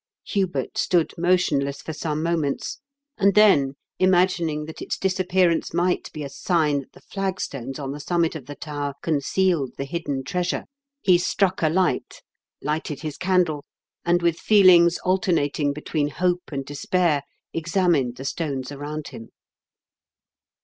Hubert stood motionless for some moments, and then, imagining that its disappearance might be a sign that the flag stones on the summit of the tower concealed the hidden treasure, he struck a light, lighted his candle, and, with feelings alternating between hope and despair, examined the stones around him.